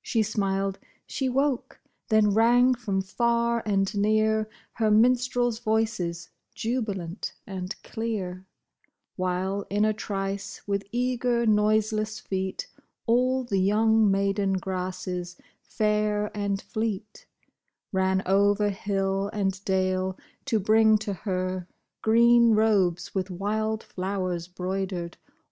She smiled, she woke ! Then rang from far and near Her minstrels' voices, jubilant and clear ; While in a trice, with eager, noiseless feet, All the young maiden grasses, fair and fleet, Ran over hill and dale, to bring to her Green robes with wild flowers 'broidered.